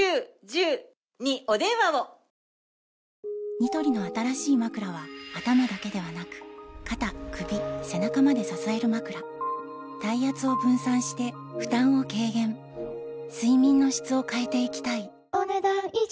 ニトリの新しいまくらは頭だけではなく肩・首・背中まで支えるまくら体圧を分散して負担を軽減睡眠の質を変えていきたいお、ねだん以上。